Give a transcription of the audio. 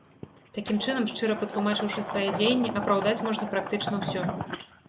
Такім чынам, шчыра патлумачыўшы свае дзеянні, апраўдаць можна практычна ўсё.